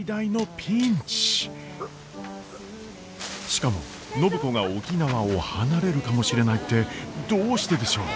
しかも暢子が沖縄を離れるかもしれないってどうしてでしょう？